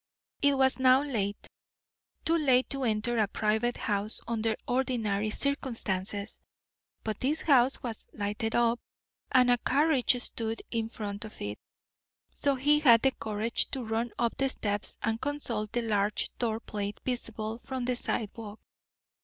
It was now late, too late to enter a private house under ordinary circumstances, but this house was lighted up, and a carriage stood in front of it; so he had the courage to run up the steps and consult the large door plate visible from the sidewalk.